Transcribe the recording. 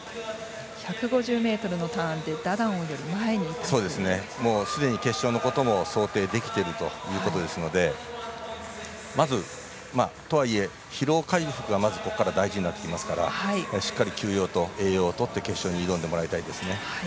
１５０ｍのターンですでに決勝のことも想定できてるということですのでとはいえ、まず疲労回復がここからは大事になってきますからしっかり休養と栄養をとって決勝に挑んでもらいたいですね。